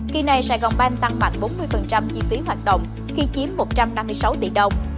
kỳ này sài gòn banh tăng mạnh bốn mươi chi phí hoạt động khi chiếm một trăm năm mươi sáu tỷ đồng